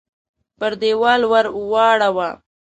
پر دېوال ورواړوه !